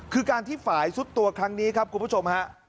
คือการที่ฝ่ายสุดตัวครั้งนี้ครับคุณผู้ชมฮะ